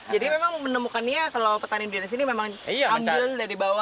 jadi memang menemukannya kalau petani durian di sini memang ambil dari bawah